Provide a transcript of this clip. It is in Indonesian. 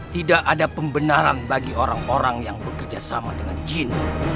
tidak ada pembenaran bagi orang orang yang bekerja sama dengan jin